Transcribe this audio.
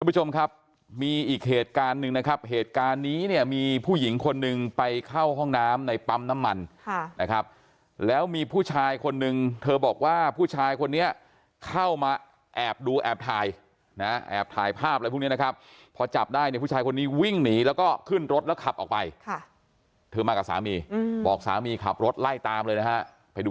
ผู้ชมครับมีอีกเหตุการณ์หนึ่งนะครับเหตุการณ์นี้เนี่ยมีผู้หญิงคนหนึ่งไปเข้าห้องน้ำในปั๊มน้ำมันค่ะนะครับแล้วมีผู้ชายคนนึงเธอบอกว่าผู้ชายคนนี้เข้ามาแอบดูแอบถ่ายนะแอบถ่ายภาพอะไรพวกนี้นะครับพอจับได้เนี่ยผู้ชายคนนี้วิ่งหนีแล้วก็ขึ้นรถแล้วขับออกไปค่ะเธอมากับสามีบอกสามีขับรถไล่ตามเลยนะฮะไปดู